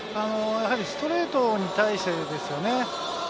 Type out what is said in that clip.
ストレートに対してですよね。